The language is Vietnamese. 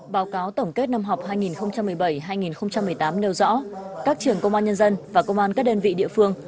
báo cáo tổng kết năm học hai nghìn một mươi bảy hai nghìn một mươi tám nêu rõ các trường công an nhân dân và công an các đơn vị địa phương